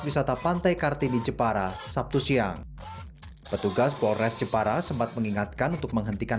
wisata pantai kartini jepara sabtu siang petugas polres jepara sempat mengingatkan untuk menghentikan